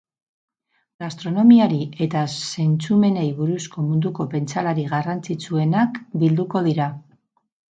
Gastronomiari eta zentzumenei buruzko munduko pentsalari garrantzitsuenak bilduko dira ekitaldian.